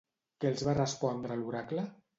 Què els va respondre l'oracle?